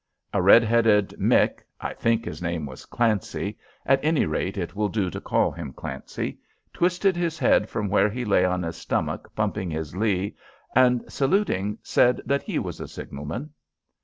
A red headed "mick" I think his name was Clancy at any rate, it will do to call him Clancy twisted his head from where he lay on his stomach pumping his Lee, and, saluting, said that he was a signalman.